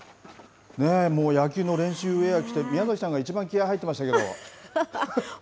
もう野球の練習ウエア着て、宮崎さんがいちばん気合い入ってましたけど。